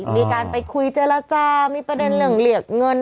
มีการไปคุยเจรจามีประเด็นเรื่องเหลียกเงิน